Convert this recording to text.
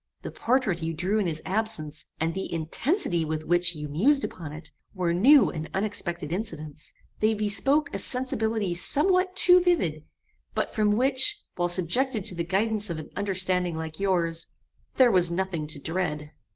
The portrait you drew in his absence, and the intensity with which you mused upon it, were new and unexpected incidents. They bespoke a sensibility somewhat too vivid; but from which, while subjected to the guidance of an understanding like yours, there was nothing to dread.